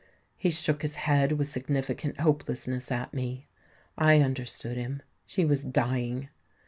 He shook his head with significant hopelessness at me: I understood him—she was dying!